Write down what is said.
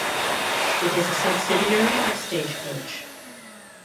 It is a subsidiary of Stagecoach.